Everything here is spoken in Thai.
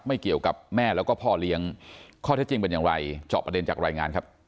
ไม่เกี่ยวกับแม่แล้วก็พ่อเลี้ยง